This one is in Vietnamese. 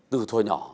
từ thời nhỏ